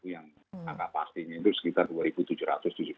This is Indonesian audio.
yang angka pastinya itu sekitar dua tujuh ratus tujuh puluh